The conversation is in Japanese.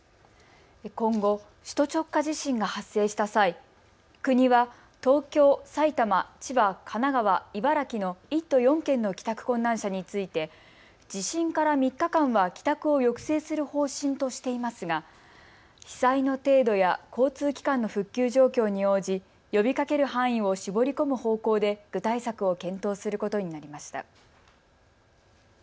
今後、首都直下地震が発生した際、国は東京、埼玉、千葉、神奈川、茨城の１都４県の帰宅困難者について地震から３日間は帰宅を抑制する方針としていますが被災の程度や交通機関の復旧状況に応じ、呼びかける範囲を絞り込む方向で具体策を検討することになりました。